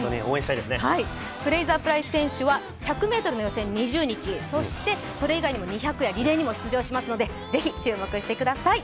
フレイザープライス選手は１００ｍのレース、２０日、そしてそれ以外にも２００やリレーにも出場しますので、ぜひ注目してください。